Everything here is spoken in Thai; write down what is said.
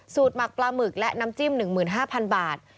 หมักปลาหมึกและน้ำจิ้ม๑๕๐๐๐บาท